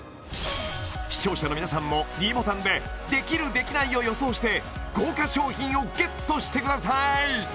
視聴者の皆さんもｄボタンでできるできないを予想して豪華賞品をＧＥＴしてください